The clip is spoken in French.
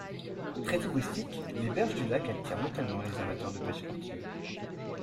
Très touristiques, les berges du lac attirent notamment les amateurs de pêche sportive.